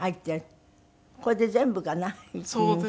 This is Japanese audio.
これで全部かな？